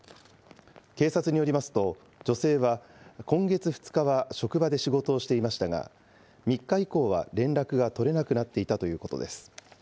警察によりますと、女性は今月２日は職場で仕事をしていましたが、３日以降は、連絡が取れなくなっていたということです。